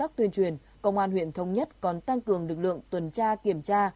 công tác tuyên truyền công an huyện thông nhất còn tăng cường lực lượng tuần tra kiểm tra